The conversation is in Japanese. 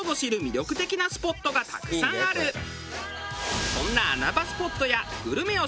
そんな穴場スポットやグルメを紹介する企画。